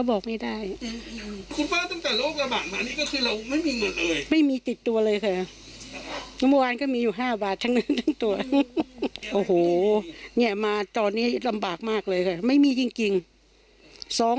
โอ้โหเนี่ยมาตอนนี้ลำบากมากเลยค่ะไม่มีจริง